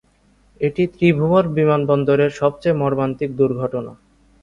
এটি ত্রিভুবন বিমানবন্দরের সবচেয়ে মর্মান্তিক দুর্ঘটনা।